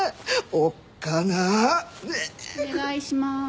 お願いします。